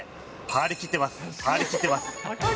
張り切ってます。